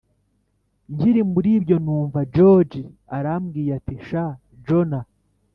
nkiri muribyo numva george arambwiye ati: sha jona!